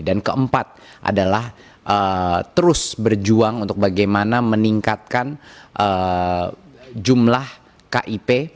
dan keempat adalah terus berjuang untuk bagaimana meningkatkan jumlah kip